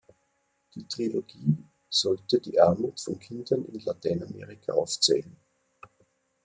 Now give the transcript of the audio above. Die Trilogie sollte die Armut von Kindern in Lateinamerika aufzeigen.